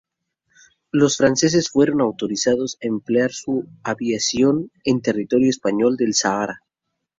Los Franceses fueron autorizados a emplear su aviación en territorio español del Sahara.